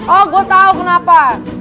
oh gue tau kenapa